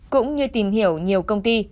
cũng như tìm hiểu nhiều công ty